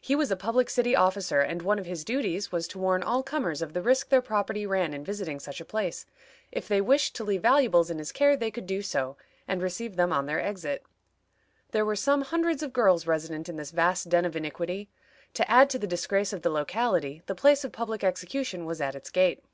He was a public city officer, and one of his duties was to warn all comers of the risk their property ran in visiting such a place. If they wished to leave valuables in his care they could do so, and receive them on their exit. There were some hundreds of girls resident in this vast den of iniquity. To add to the disgrace of the locality, the place of public execution was at its gate.